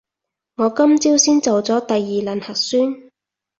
我今朝先做咗第二輪核酸